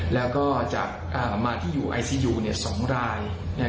แล้วก็จะมาที่อยู่ไอซียู๒ราย